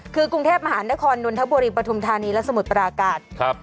คือกรุงเทพมหานครนนทบุรีปฐุมธานีและสมุทรปราการครับ